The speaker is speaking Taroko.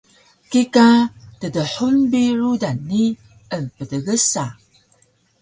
kika tdhuun bi rudan ni emptgsa